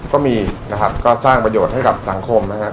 ก็มีนะครับก็สร้างประโยชน์ให้กับสังคมนะครับ